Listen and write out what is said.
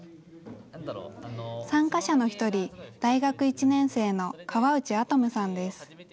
参加者の１人、大学１年生の川内亜斗夢さんです。